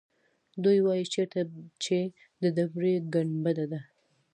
دوی وایيچېرته چې د ډبرې ګنبده ده.